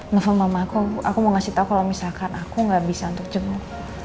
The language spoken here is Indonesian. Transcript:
nelfon mama aku aku mau kasih tau kalau misalkan aku nggak bisa untuk jemput